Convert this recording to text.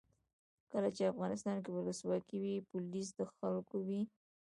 کله چې افغانستان کې ولسواکي وي پولیس د خلکو وي.